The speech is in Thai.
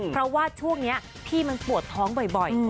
เพราะว่าช่วงนี้พี่มันปวดท้องบ่อย